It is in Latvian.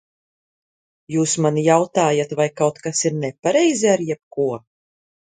Jūs man jautājat, vai kaut kas ir nepareizi ar jebko?